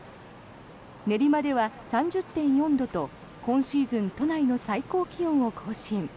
練馬では３０．４度と今シーズン都内の最高気温を更新。